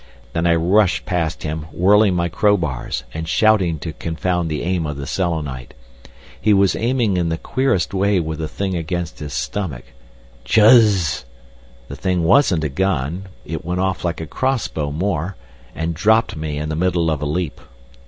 Then I rushed past him whirling my crowbars, and shouting to confound the aim of the Selenite. He was aiming in the queerest way with the thing against his stomach. "Chuzz!" The thing wasn't a gun; it went off like a cross bow more, and dropped me in the middle of a leap.